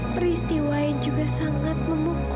peristiwa yang juga sangat memukul